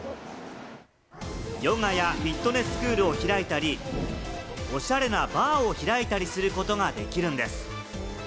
ヨガやフィットネススクールを開いたり、おしゃれなバーを開いたりすることができるんです。